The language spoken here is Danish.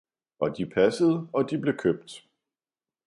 og de passede og de blev købt.